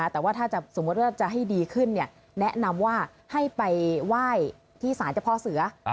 แต่ว่าถ้าสมมุติว่าจะให้ดีขึ้นแนะนำว่าให้ไปไหว้ที่สารเจ้าพ่อเสือ